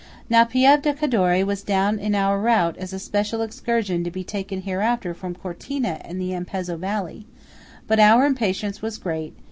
Now Pieve di Cadore was down in our route as a special excursion to be taken hereafter from Cortina in the Ampezzo valley; but our impatience was great.